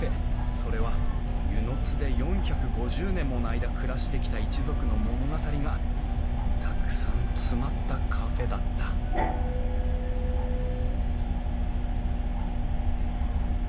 それは温泉津で４５０年もの間暮らしてきた一族の物語がたくさん詰まったカフェだった」はあ。